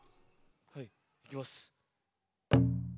はいいきます。